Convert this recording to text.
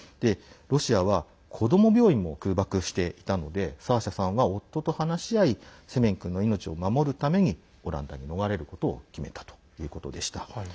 ロシアは、子ども病院も空爆していたのでサーシャさんは夫と話し合いセメン君の命を守るためにオランダに逃れることを決めたということでした。